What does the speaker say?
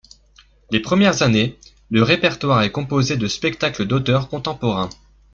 Les premières années, le répertoire est composé de spectacles d'auteurs contemporains.